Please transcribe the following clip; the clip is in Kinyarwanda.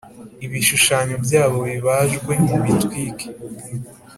ibishushanyo byabo bibajwe mubitwike.